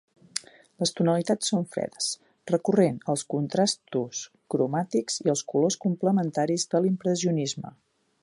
Les tonalitats són fredes, recorrent als contrastos cromàtics i els colors complementaris de l'impressionisme.